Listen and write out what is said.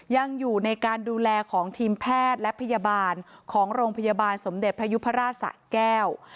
ยังอยู่ในการดูแลของทีมแพทย์และพยาบาลของโรงพยาบาลสมเด็จพระยุพราชสะแก้ว